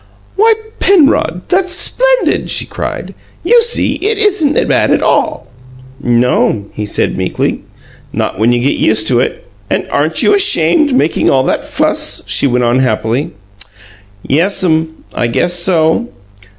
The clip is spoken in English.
"Why, Penrod, that's splendid!" she cried "You see it isn't bad, at all." "No'm," he said meekly. "Not when you get used to it." "And aren't you ashamed, making all that fuss?" she went on happily. "Yes'm, I guess so."